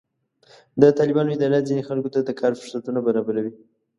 د طالبانو اداره ځینې خلکو ته د کار فرصتونه برابروي.